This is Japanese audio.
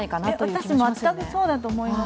私、全くそうだと思います。